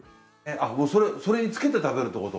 あっもうそれにつけて食べるってこと？